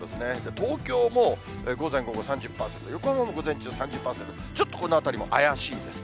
東京も午前、午後３０％、横浜も午前中３０％、ちょっとこのあたりも怪しいです。